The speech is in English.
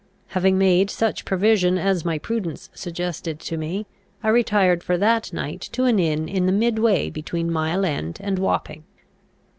Having made such provision as my prudence suggested to me, I retired for that night to an inn in the midway between Mile end and Wapping.